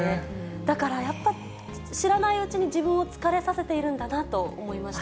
だからやっぱ、知らないうちに自分を疲れさせているんだなと思いました。